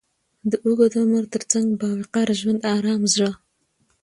د اوږد عمر تر څنګ، با وقاره ژوند، ارام زړه،